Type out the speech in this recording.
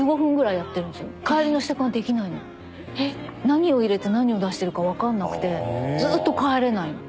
何を入れて何を出してるかわかんなくてずっと帰れないの。